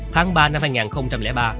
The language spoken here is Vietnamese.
tháng ba năm hai nghìn ba